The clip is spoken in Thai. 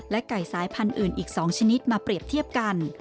ไก่สายพันธุ์อื่นอีก๒ชนิดมาเปรียบเทียบกัน